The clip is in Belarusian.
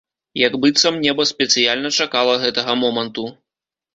Як быццам неба спецыяльна чакала гэтага моманту.